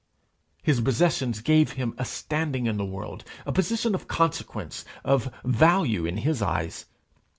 His possessions gave him a standing in the world a position of consequence of value in his eyes.